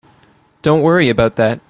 Don't worry about that.